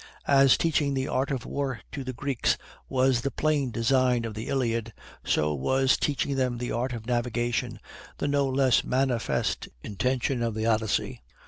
As teaching the art of war to the Greeks was the plain design of the Iliad, so was teaching them the art of navigation the no less manifest intention of the Odyssey.